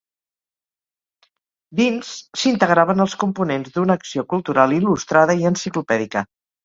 Dins, s'integraven els components d'una acció cultural il·lustrada i enciclopèdica.